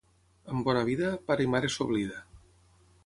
Amb bona vida, pare i mare s'oblida.